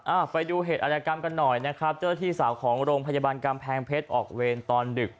อ่าไปดูเหตุอาจกรรมกันหน่อยนะครับเจ้าหน้าที่สาวของโรงพยาบาลกำแพงเพชรออกเวรตอนดึก